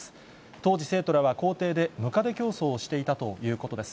当時、生徒らは校庭でムカデ競走をしていたということです。